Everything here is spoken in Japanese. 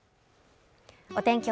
お天気